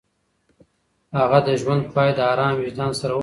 هغه د ژوند پاى د ارام وجدان سره ومنله.